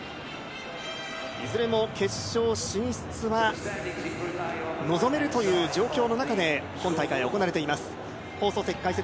いずれも決勝進出は望めるという状況の中で今大会行われています。